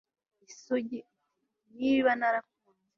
Isugi iti Niba narakunze